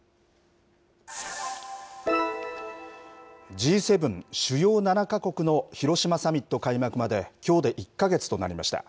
Ｇ７・主要７か国の広島サミット開幕まできょうで１か月となりました。